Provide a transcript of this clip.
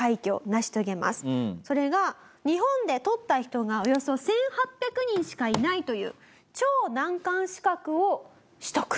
それが日本で取った人がおよそ１８００人しかいないという超難関資格を取得。